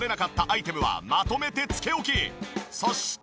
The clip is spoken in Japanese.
そして。